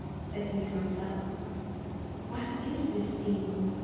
said he to himself. "What is this being?